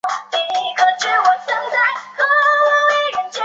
官至霍州刺史。